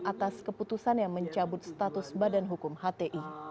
atas keputusan yang mencabut status badan hukum hti